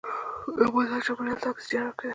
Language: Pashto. نباتات چاپیریال ته اکسیجن ورکوي